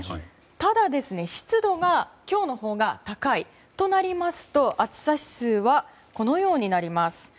ただ、湿度が今日のほうが高いとなりますと暑さ指数はこのようになります。